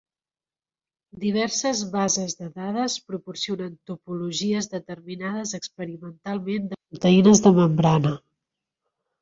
Diverses bases de dades proporcionen topologies determinades experimentalment de proteïnes de membrana.